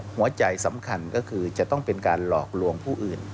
หัวใจสำคัญก็คือจะต้องเป็นการหลอกลวงผู้อื่น